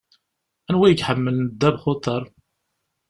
Anwa i iḥemmlen ddabex n uḍaṛ?